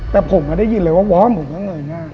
แต่ผมได้ยินเลยว่าว้อมผมก็เงยหน้า